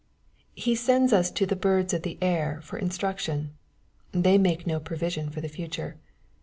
He sends us to the birds of the air for instruction. They make no provision for the future.